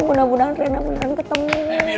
mudah mudahan rena mudahan ketemu